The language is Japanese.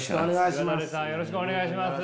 よろしくお願いします。